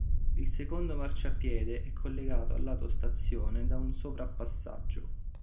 Il secondo marciapiede è collegato al lato stazione da un sovrapassaggio.